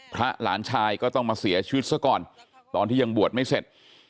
หลานชายก็ต้องมาเสียชีวิตซะก่อนตอนที่ยังบวชไม่เสร็จ